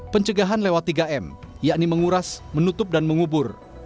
pencegahan lewat tiga m yakni menguras menutup dan mengubur